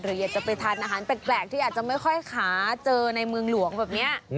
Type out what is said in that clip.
อยากจะไปทานอาหารแปลกที่อาจจะไม่ค่อยขาเจอในเมืองหลวงแบบนี้